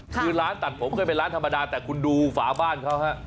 คือร้านตัดผมก็เป็นร้านธรรมดาแต่คุณดูฝาบ้านเขาฮะ